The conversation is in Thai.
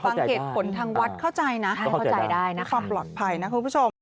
ความบังเกตผลทางวัดเข้าใจนะความปลอดภัยนะคุณผู้ชม